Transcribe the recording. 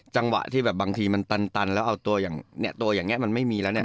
จังหวะที่แบบบางทีมันตันแล้วเอาตัวอย่างเนี่ยตัวอย่างนี้มันไม่มีแล้วเนี่ย